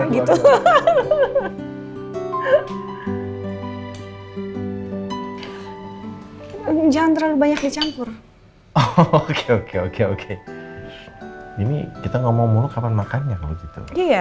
gitu jangan terlalu banyak dicampur oh oke oke oke ini kita ngomong dulu kapan makannya kalau gitu iya